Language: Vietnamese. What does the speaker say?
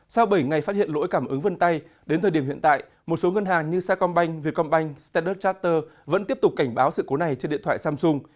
sau bảy ngày phát hiện lỗi cảm ứng vân tay đến thời điểm hiện tại một số ngân hàng như sacombank vietcombank standard charter vẫn tiếp tục cảnh báo sự cố này trên điện thoại samsung